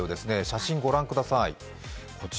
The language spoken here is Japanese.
写真ご覧ください。